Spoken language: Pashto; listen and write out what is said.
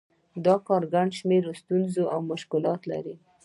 دا کار ګڼ شمېر ستونزې او مشکلات لري